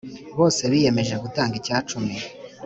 bose biyemeje gutanga icyacumi.